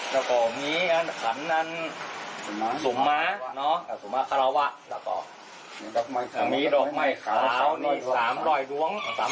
แล้วก็มีขันสุมมะสุมมะขระวะ